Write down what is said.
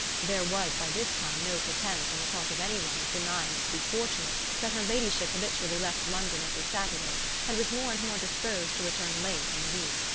There was by this time no pretence on the part of any one of denying it to be fortunate that her ladyship habitually left London every Saturday and was more and more disposed to a return late in the week.